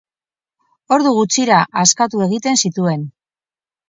Ordu gutxira askatu egiten zituen.